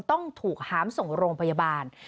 ต้องถูกหามส่งโรงพยาบาล